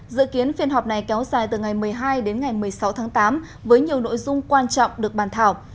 dự kiến phiên họp này kéo dài từ ngày một mươi hai đến ngày một mươi sáu tháng tám với nhiều nội dung quan trọng được bàn thảo